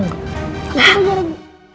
enggak ada karun